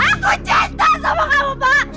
aku cinta sama kamu pak